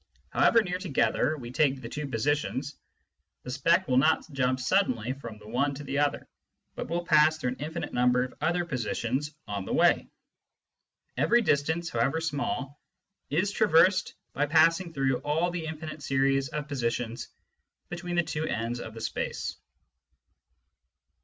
However near together we take the two positions, the speck will not jump suddenly from Digitized by Google 134 SCIENTIFIC METHOD IN PHILOSOPHY the one to the other, but will pass through an infinite number of other positions on the way. Every distance, however small, is traversed by passing through all the infinite series of positions between the two ends of the distance.